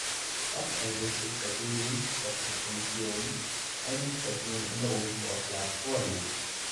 Was also spricht dagegen, dass die Kommission einen entsprechenden Änderungsvorschlag vorlegt?